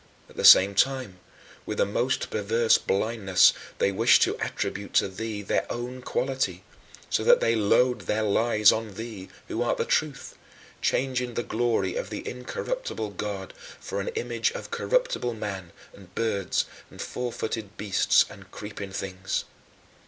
At the same time, with the most perverse blindness, they wish to attribute to thee their own quality so that they load their lies on thee who art the Truth, "changing the glory of the incorruptible God for an image of corruptible man, and birds, and four footed beasts, and creeping things."